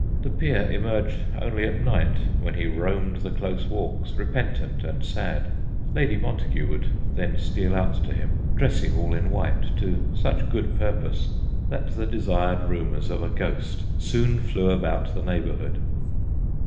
The peer emerged only at night, when he roamed the close walks, repentant and sad. Lady Montagu would then steal out to him, dressing all in white to such good purpose that the desired rumours of a ghost soon flew about the neighbourhood.